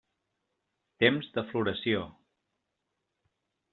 Temps de floració: